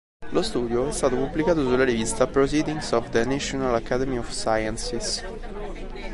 Lo studio è stato pubblicato sulla rivista "Proceedings of the National Academy of Sciences".